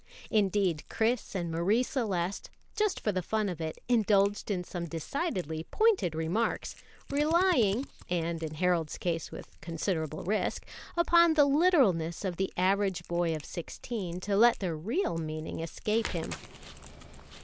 Indeed, Chris and Marie Celeste, just for the fun of it, indulged in some decidedly pointed remarks, relying (and in Harold's case with considerable risk ) upon the literalness of the average boy of sixteen to let their real meaning escape him.